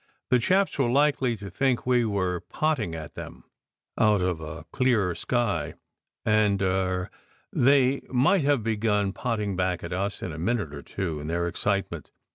The chaps were likely to think we were potting at them out of a clear sky, and er they might have begun potting back at us in a minute or two, in their excitement.